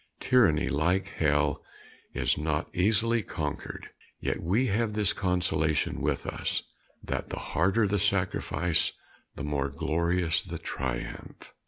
Tyranny, like hell, is not easily conquered, yet we have this consolation with us, that the harder the sacrifice, the more glorious the triumph."